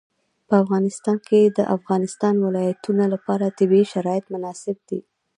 په افغانستان کې د د افغانستان ولايتونه لپاره طبیعي شرایط مناسب دي.